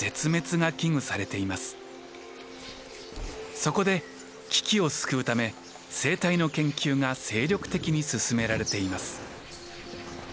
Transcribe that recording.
そこで危機を救うため生態の研究が精力的に進められています。